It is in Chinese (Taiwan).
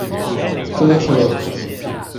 出圖